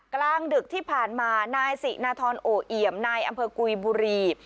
กลางดึกที่ผ่านมานายสินทรโอเอี่ยมนายอำเภอกุยบุรี